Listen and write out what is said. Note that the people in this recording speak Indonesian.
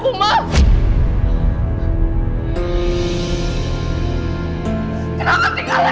kenapa berhenti kak lera